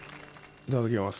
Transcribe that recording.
いただきます。